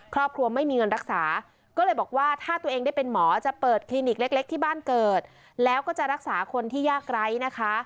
ครอบครัวไม่มีเงินรักษาก็เลยบอกว่าถ้าตัวเองได้เป็นหมอจะเปิดคลินิกเล็กที่บ้านเกิดแล้วก็จะรักษาคนที่ยากไร้นะคะ